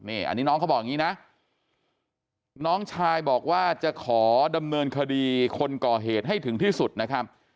อันนี้น้องเขาบอกอย่างนี้นะน้องชายบอกว่าจะขอดำเนินคดีคนก่อเหตุให้ถึงที่สุดนะครับ